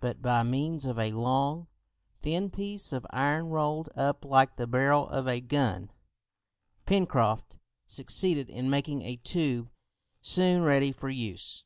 But by means of a long, thin piece of iron rolled up like the barrel of a gun, Pencroft succeeded in making a tube soon ready for use.